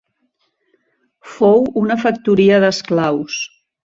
Fou una factoria d'esclaus.